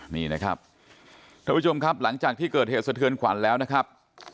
นี่นะครับท่านผู้ชมครับหลังจากที่เกิดเหตุสะเทือนขวัญแล้วนะครับ